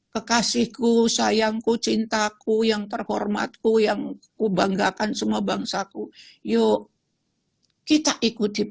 kekasihku sayangku cintaku yang terhormatku yang kubanggakan semua bangsaku yuk kita ikuti